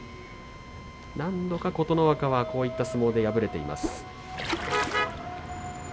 何度か琴ノ若はこういった相撲で敗れています。